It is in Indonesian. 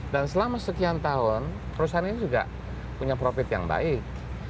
selama sekian tahun perusahaan ini juga punya profit yang baik